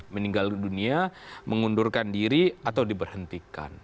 meninggal dunia mengundurkan diri atau diberhentikan